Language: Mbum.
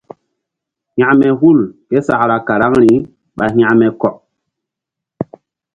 Hȩkme hul késakra karaŋri ɓa hȩkme kɔk.